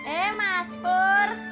eh mas pur